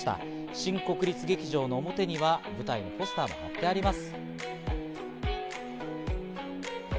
新国立劇場の表には舞台のポスターが貼ってあります。